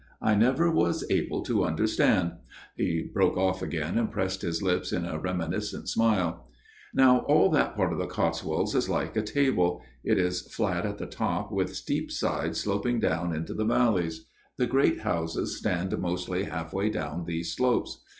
I never was able to understand ." He broke off again, and pressed his lips in a reminiscent smile. " Now all that part of the Cots wolds is like a table : it is flat at the top with steep sides sloping FATHER JENKS' TALE 155 down into the valleys. The great houses stand mostly half way down these slopes.